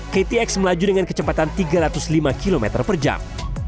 ktx melaju dengan kecepatan tiga ratus lima km per jam